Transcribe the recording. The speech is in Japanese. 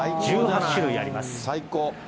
１８種類あります。